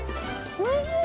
おいしい？